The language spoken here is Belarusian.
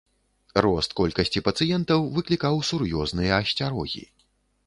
Рост колькасці пацыентаў выклікаў сур'ёзныя асцярогі.